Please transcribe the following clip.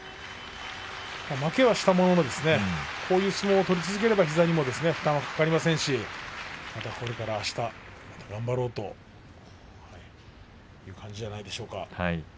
負けはしたもののこういう相撲を取り続ければ膝には負担がかかりませんしまた、これからあしたまた頑張ろうという感じじゃないでしょうか。